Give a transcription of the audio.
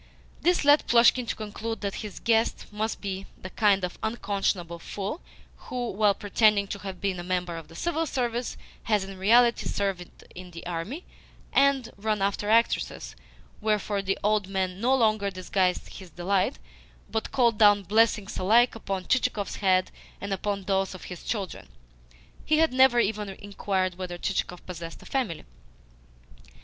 This led Plushkin to conclude that his guest must be the kind of unconscionable fool who, while pretending to have been a member of the Civil Service, has in reality served in the army and run after actresses; wherefore the old man no longer disguised his delight, but called down blessings alike upon Chichikov's head and upon those of his children (he had never even inquired whether Chichikov possessed a family).